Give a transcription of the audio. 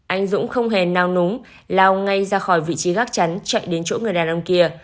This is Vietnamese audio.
anh dũng không hề nao núng lao ngay ra khỏi vị trí gác chắn chạy đến chỗ người đàn ông kia